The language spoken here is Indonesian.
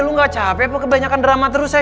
lo gak capek kebanyakan drama terus eh